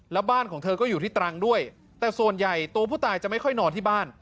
แล้วบ้านของเธอก็อยู่ที่ตรังด้วยแต่ส่วนใหญ่ตัวผู้ตายจะไม่ค่อยนอนที่บ้าน